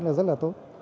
vấn đề này rất là tốt